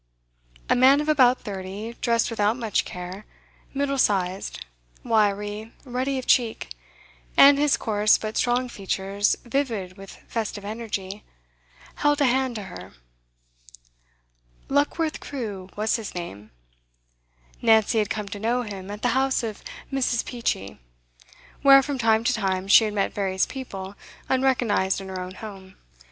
A man of about thirty, dressed without much care, middle sized, wiry, ruddy of cheek, and his coarse but strong features vivid with festive energy, held a hand to her. Luckworth Crewe was his name. Nancy had come to know him at the house of Mrs. Peachey, where from time to time she had met various people unrecognised in her own home.